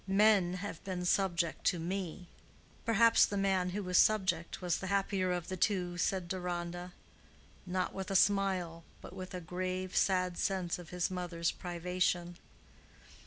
Men have been subject to me." "Perhaps the man who was subject was the happier of the two," said Deronda—not with a smile, but with a grave, sad sense of his mother's privation.